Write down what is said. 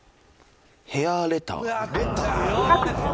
ヘアーレター？